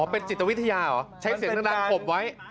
เป็นจิตวิทยาเหรอใช้เสียงดังขบไว้